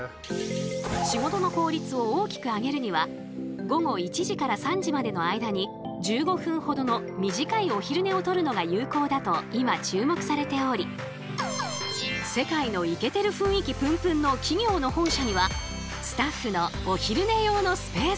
仕事の効率を大きく上げるには午後１時から３時までの間に１５分ほどの短いお昼寝をとるのが有効だと今注目されており世界のイケてる雰囲気プンプンの企業の本社にはスタッフのお昼寝用のスペースが。